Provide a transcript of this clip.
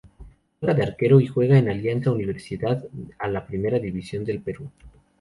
Juega de arquero y juega en Alianza Universidad de la Primera División del Perú.